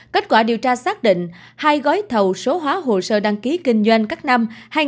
kết quả điều tra xác định hai gói thầu số hóa hồ sơ đăng ký kinh doanh các năm hai nghìn một mươi sáu hai nghìn một mươi bảy